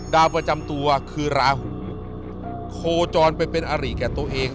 ดาวประจำตัวคือราหูโคจรไปเป็นอริแก่ตัวเอง